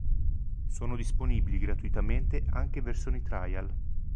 Sono disponibili gratuitamente anche versioni trial.